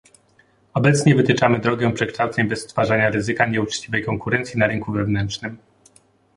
Obecnie wytyczamy drogę przekształceń bez stwarzania ryzyka nieuczciwej konkurencji na rynku wewnętrznym